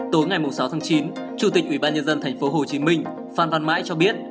tối ngày sáu tháng chín chủ tịch ủy ban nhân dân thành phố hồ chí minh phan văn mãi cho biết